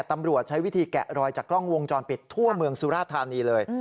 ตำรวจใช้วิธีแกะรอยจากกล้องวงจรปิดทั่วเมืองสุราธานีเลย